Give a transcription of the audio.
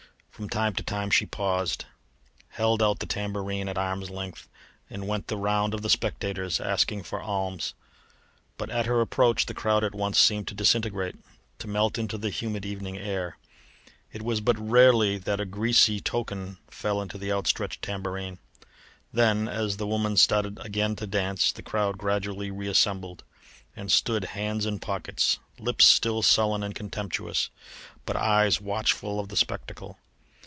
From time to time she paused, held out the tambourine at arm's length, and went the round of the spectators, asking for alms. But at her approach the crowd at once seemed to disintegrate, to melt into the humid evening air; it was but rarely that a greasy token fell into the outstretched tambourine. Then as the woman started again to dance the crowd gradually reassembled, and stood, hands in pockets, lips still sullen and contemptuous, but eyes watchful of the spectacle.